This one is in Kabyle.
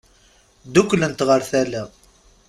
Dduklent ɣer tala.